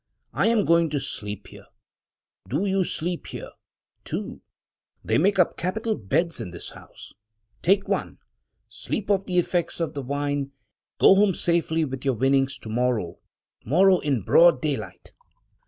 I am going to sleep here; do you sleep here, too — they make up capital beds in this house — take one; sleep off the effects of the wine, and go home safely with your winnings tomorrow — tomorrow, in broad daylight."